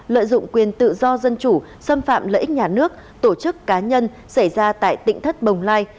lợi dụng quyền tự do dân chủ xâm phạm lợi ích nhà nước tổ chức cá nhân xảy ra tại tỉnh thất bồng lai